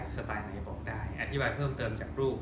สไตล์นี้บอกได้อธิบายเพิ่มเติมจากรูป